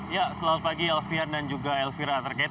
ya selamat pagi elvira dan juga elvira attergate